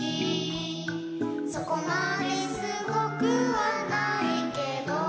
「そこまですごくはないけど」